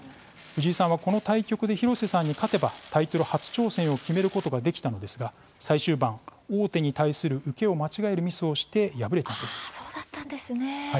藤井さんは、この対局で広瀬さんに勝てばタイトル初挑戦を決めることができたのですが、最終盤王手に対する受けを間違えるミスをして敗れたんです。